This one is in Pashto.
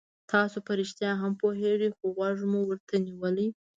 تاسو په رښتیا هم پوهېږئ خو غوږ مو ورته نیولی.